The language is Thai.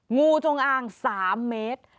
งูจงอาง๓เมตร